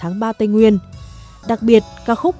nguyên đặc biệt ca khúc